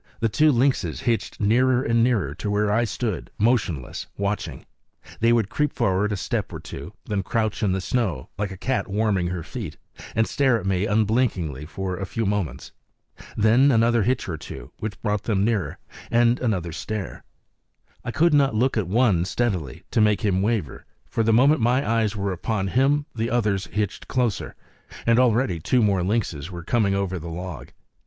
The two lynxes hitched nearer and nearer to where I stood motionless, watching. They would creep forward a step or two, then crouch in the snow, like a cat warming her feet, and stare at me unblinkingly for a few moments. Then another hitch or two, which brought them nearer, and another stare. I could not look at one steadily, to make him waver; for the moment my eyes were upon him the others hitched closer; and already two more lynxes were coming over the log.